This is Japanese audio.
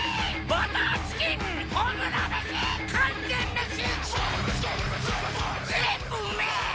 バターチキン炎メシ完全メシ